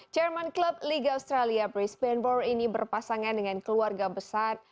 chairman klub liga australia brisbain war ini berpasangan dengan keluarga besar